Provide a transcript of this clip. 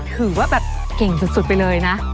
ถือว่าแบบเก่งสุดไปเลยนะ